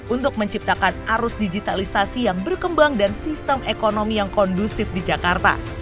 untuk menciptakan arus digitalisasi yang berkembang dan sistem ekonomi yang kondusif di jakarta